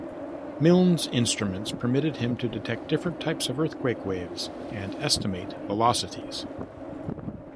Milne's instruments permitted him to detect different types of earthquake waves, and estimate velocities.